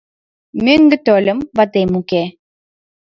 Мӧҥгӧ тольым — ватем уке.